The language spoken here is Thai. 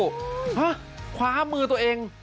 ฮะคว้ามือตัวเอง